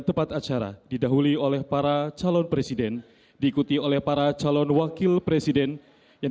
tempat acara didahului oleh para calon presiden diikuti oleh para calon wakil presiden yang